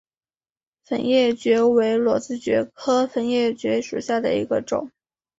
粉叶蕨为裸子蕨科粉叶蕨属下的一个种。